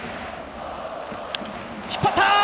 引っ張った！